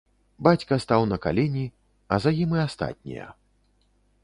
Бацька стаў на калені, а за ім і астатнія.